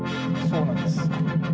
そうなんです。